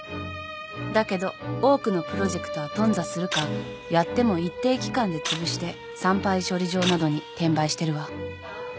だけど多くのプロジェクトは頓挫するかやっても一定期間でつぶして産廃処理場などに転売してるわ。